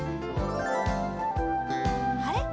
あれ？